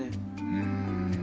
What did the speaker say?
うん。